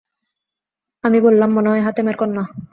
আমি বললাম, মনে হয় হাতেমের কন্যা।